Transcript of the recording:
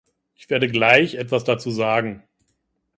Ich werde gleich etwas dazu sagen.